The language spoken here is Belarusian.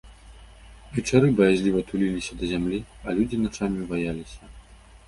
Вечары баязліва туліліся да зямлі, а людзі начамі баяліся.